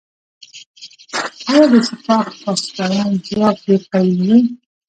آیا د سپاه پاسداران ځواک ډیر قوي نه دی؟